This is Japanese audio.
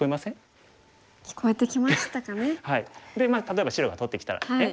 例えば白が取ってきたらですね